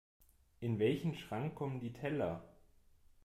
In welchen Schrank kommen die Teller?